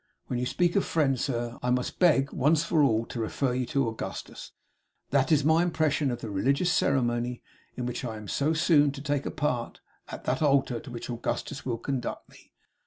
When you speak of friends, sir, I must beg, once for all, to refer you to Augustus. That is my impression of the religious ceremony in which I am so soon to take a part at that altar to which Augustus will conduct me.